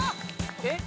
・えっ？